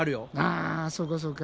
あそうかそうか。